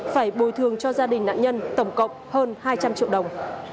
phải bồi thường cho gia đình nạn nhân tổng cộng hơn hai trăm linh triệu đồng